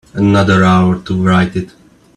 Another hour to write it.